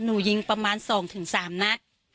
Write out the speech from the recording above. หนูยิงประมาณสองถึงสามนัด